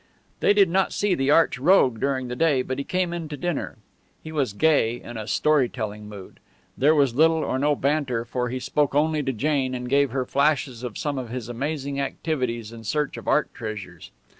They did not see the arch rogue during the day, but he came in to dinner. He was gay in a story telling mood. There was little or no banter, for he spoke only to Jane, and gave her flashes of some of his amazing activities in search of art treasures.